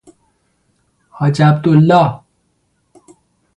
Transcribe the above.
حاج عبدالله